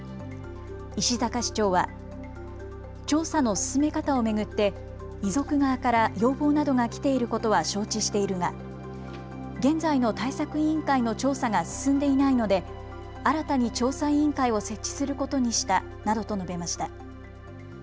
石阪市長は調査の進め方を巡って遺族側から要望などが来ていることは承知しているが現在の対策委員会の調査が進んでいないので新たに調査委員会を設置することにしたなどと述べました。